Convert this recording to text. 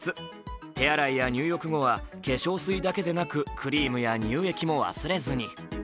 手洗いや入浴後は化粧水だけでなくクリームや乳液も忘れずに。